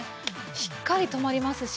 しっかり留まりますし。